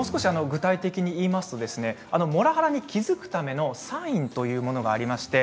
具体的にいうとモラハラに気付くためのサインというものがあります。